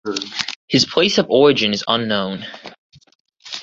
His place of origin is unknown.